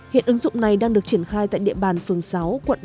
hiện ứng dụng này đang được triển khai tại địa bàn phường sáu quận tám